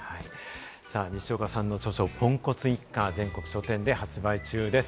にしおかさんの著書『ポンコツ一家』は全国書店で発売中です。